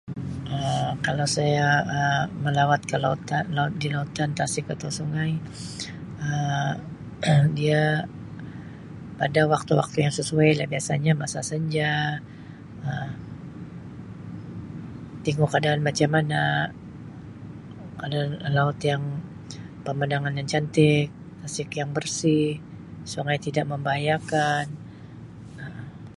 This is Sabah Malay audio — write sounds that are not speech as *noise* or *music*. Um Kalau saya melawat ke lautan-laut di lautan, tasik atau sungai Um *coughs* dia ada waktu-waktu yang sesuai lah biasanya masa senja Um tingu keadaan macam mana kalau laut yang pemandangan yang cantik, tasik yang besar, sungai tidak membahayakan Um.